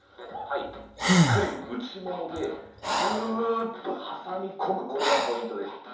はい、しっかり内ももでぎゅうっと挟み込む、これがポイントです。